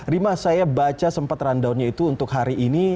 rima saya baca sempat rundownnya itu untuk hari ini